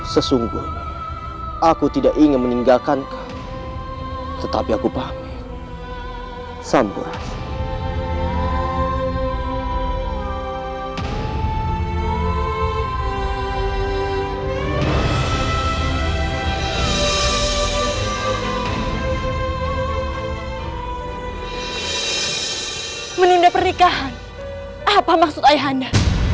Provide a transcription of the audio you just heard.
menunda pernikahan apa maksud ayah anda